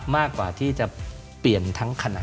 มากกว่าที่จะเปลี่ยนทั้งขณะ